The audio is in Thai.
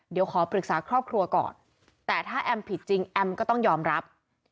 เดี๋ยวขอปรึกษาครอบครัวก่อนแต่ถ้าแอมผิดจริงแอมก็ต้องยอมรับ